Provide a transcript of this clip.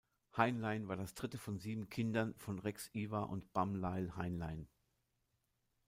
Heinlein war das dritte von sieben Kindern von Rex Ivar und Bam Lyle Heinlein.